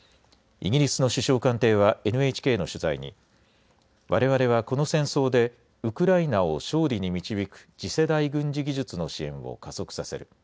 イギリスの首相官邸はＮＨＫの取材にわれわれはこの戦争でウクライナを勝利に導く次世代軍事技術の支援を加速させる。